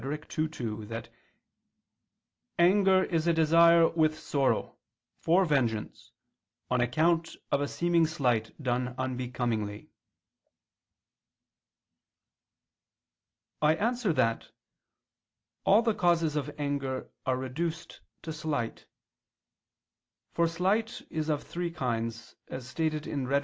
ii, 2) that anger is "a desire, with sorrow, for vengeance, on account of a seeming slight done unbecomingly." I answer that, All the causes of anger are reduced to slight. For slight is of three kinds, as stated in Rhet.